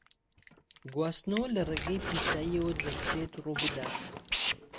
گواستنەوە لە ڕێگای پیساییەوە دەکرێت ڕووبدات.